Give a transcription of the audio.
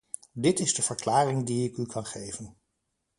Dit is de verklaring die ik u kan geven.